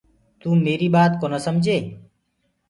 تو ميريٚ ٻآت ڪونآ سمجي۔